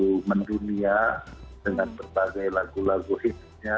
atau mendunia dengan berbagai lagu lagu hitamnya